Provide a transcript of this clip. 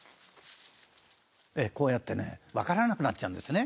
「こうやってねわからなくなっちゃうんですね」